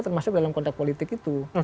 termasuk dalam konteks politik itu